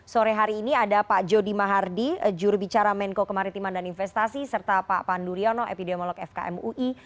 sore hari ini ada pak jody mahardi jurubicara menko kemaritiman dan investasi serta pak pandu riono epidemiolog fkm ui